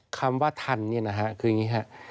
คำว่าทันเนี่ยนะฮะคืออย่างนี้ครับ